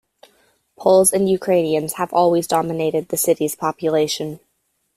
Poles and Ukrainians have always dominated the city's population.